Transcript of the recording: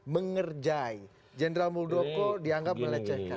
mengerjai jenderal muldoko dianggap melecehkan